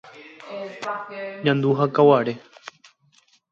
Ñandu ha Kaguare.